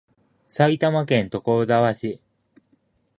埼玉県所沢市